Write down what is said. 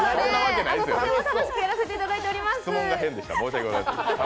とっても楽しくやらせていただいています。